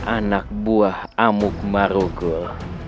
anak buah amuk marugut